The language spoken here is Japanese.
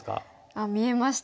あっ見えました。